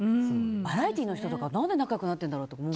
バラエティーの人とか何で仲良くなってるんだろうと思う。